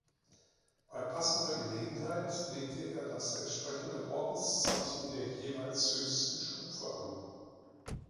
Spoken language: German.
Bei passender Gelegenheit legte er das entsprechende Ordenszeichen der jeweils höchsten Stufe an.